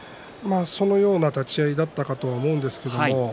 そのような立ち合いであったかと思います。